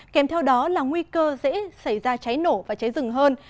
kèm theo đó là nguy cơ dễ xảy ra cháy nổ và cháy rừng hơn